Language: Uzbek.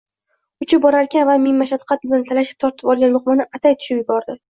uchib borarkan va ming mashaqqat bilan talashib tortib olgan luqmani atay tushirib yubordi.